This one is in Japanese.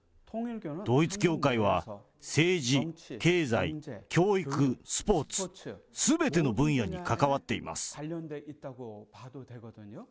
統一教会は、政治、経済、教育、スポーツ、すべての分野に関わっています。